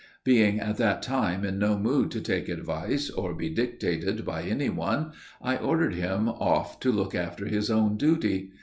Being at that time in no mood to take advice, or be dictated by any one, I ordered him off to look after his own duty.